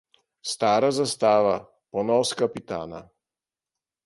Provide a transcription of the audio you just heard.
Stara zastava – ponos kapitana.